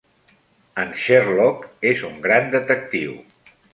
En Sherlock és un gran detectiu.